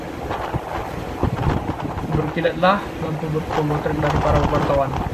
berkilatanlah lampu pemotret dari para wartawan